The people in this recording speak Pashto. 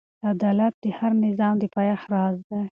عدالت د هر نظام د پایښت راز دی.